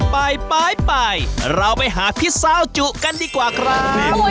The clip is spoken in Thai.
ไปไปเราไปหาพี่สาวจุกันดีกว่าครับ